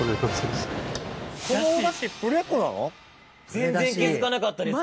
全然気付かなかったです。